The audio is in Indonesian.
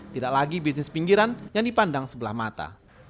tidak lagi bisnis pinggiran yang dipandang sebelah mata